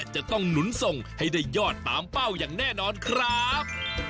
จะต้องหนุนส่งให้ได้ยอดตามเป้าอย่างแน่นอนครับ